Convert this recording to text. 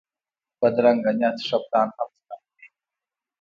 بدرنګه نیت ښه پلان هم خرابوي